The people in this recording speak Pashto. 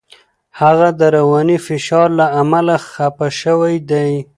هغه د رواني فشار له امله خپه شوی دی.